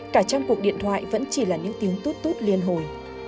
cả trăm cuộc điện thoại vẫn chỉ là những tiếng tút tút liên hồi